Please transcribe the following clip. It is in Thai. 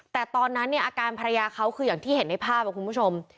แต่ตอนนั้นเนี่ยอาการภรรยาเขาคืออย่างที่เห็นในภาพคุณผู้ชม